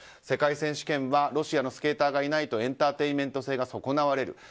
世界選手権はロシアのスケーターがいないとエンターテインメント性が損なわれる。